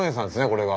これが。